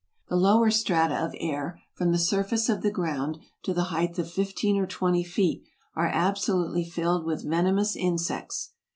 The lower strata of air, from the surface of the ground to the height of fifteen or twenty feet, are absolutely filled with venomous insects.